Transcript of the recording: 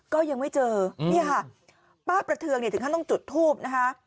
ก็ยังไม่เจอเนี่ยค่ะป้าประเทืองถึงต้องจุดทูปนะคะ